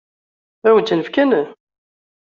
Ad wen-ten-fken?